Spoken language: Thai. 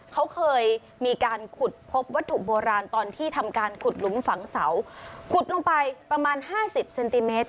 เขาเคยมีการขุดพบวัตถุโบราณตอนที่ทำการขุดหลุมฝังเสาขุดลงไปประมาณห้าสิบเซนติเมตร